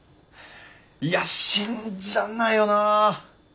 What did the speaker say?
いや信じらんないよなあ。